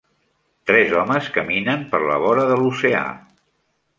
Tres homes caminen per la vora de l'oceà.